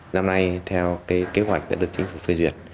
năm nay theo kế hoạch đã được chính phủ phê duyệt